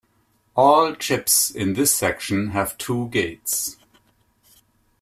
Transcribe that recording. All chips in this section have two gates.